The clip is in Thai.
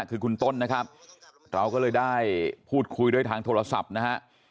คือคุณต้นนะครับเราก็เลยได้พูดคุยด้วยทางโทรศัพท์นะฮะ